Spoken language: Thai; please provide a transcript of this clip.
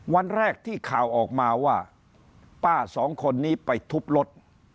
วันแรกที่ข่าวออกมาว่าป้าสองคนนี้ไปทุบรถ